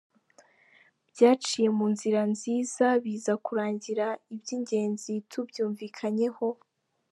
baciye mu nzira nziza, biza kurangira i by’ingenzi tubyunvikanyeho.”